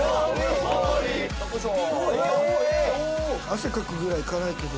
汗かくぐらい辛いけど。